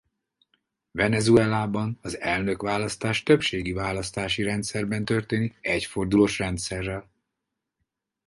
Venezuelában az elnökválasztás többségi választási rendszerben történik egyfordulós rendszerrel.